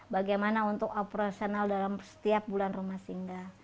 bagaimana untuk operasional dalam setiap bulan rumah singga